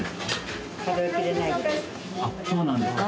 そうなんですか。